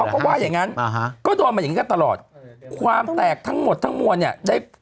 ว่าอย่างงั้นอ่าฮะก็โดนมาอย่างงี้กันตลอดความแตกทั้งหมดทั้งมวลเนี่ยได้